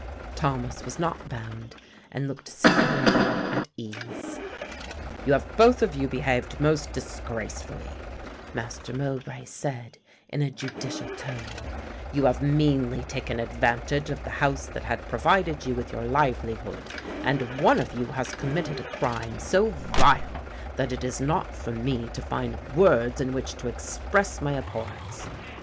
Thomas was not bound and looked singularly at ease. "You have both of you behaved most disgracefully," Master Mowbray said in a judicial tone; "you have meanly taken advantage of the house that had provided you with your livelihood and one of you has committed a crime so vile that it is not for me to find words in which to express my abhorrence.